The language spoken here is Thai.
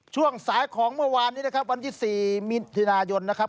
ช่วงสายของเมื่อวานนี้นะครับวันที่๔มิถุนายนนะครับ